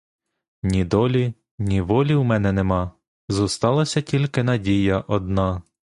Ні долі, ні волі у мене нема, Зосталася тільки надія одна